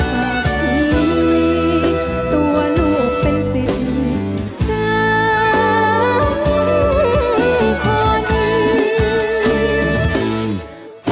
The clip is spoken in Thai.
หากที่มีตัวลูกเป็นสิทธิ์สามีคนอีก